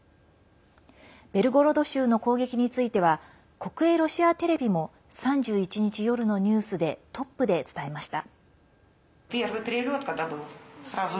ベルゴロド州の攻撃については国営ロシアテレビも３１日夜のニュースでトップで伝えました。